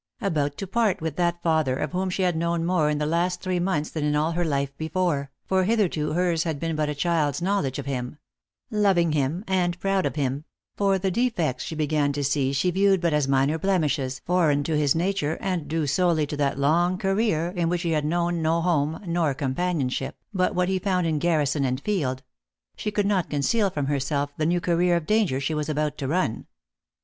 About to part with that father, of whom she had known more in the last three months than in all her life before, for hitherto her s had been but a child s knowledge of him loving him and proud of him for the defects she began to see she viewed but as minor blemishes, foreign to his nature, and due solely to that long career in which he had known no home, nor companionship, but what he found in garrison and field ; she could not con ceal from herself the new career of danger he was about to run.